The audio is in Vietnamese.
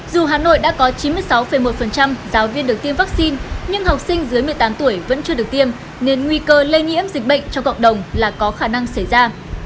dù hà nội đã có chín mươi sáu một giáo viên được tiêm vaccine nhưng học sinh dưới một mươi tám tuổi vẫn chưa được tiêm nên nguy cơ lây nhiễm dịch bệnh cho cộng đồng là có khả năng xảy ra